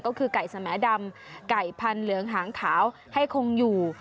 ก็คือไก่สมดำไก่พันเหลืองหางขาวให้คงอยู่